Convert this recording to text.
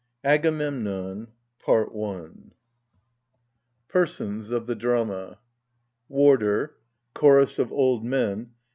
AGAMEMNON PERSONS OF THE DRAMA. Warder. Chokos of Old Men.